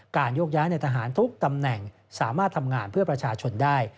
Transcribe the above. โยกย้ายในทหารทุกตำแหน่งสามารถทำงานเพื่อประชาชนได้